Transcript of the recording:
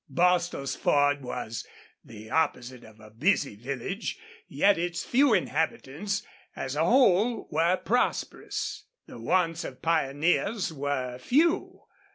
Bostil's Ford was the opposite of a busy village, yet its few inhabitants, as a whole, were prosperous. The wants of pioneers were few.